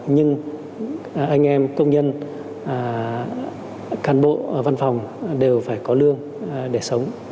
nhưng anh em công nhân can bộ văn phòng đều phải có lương để sống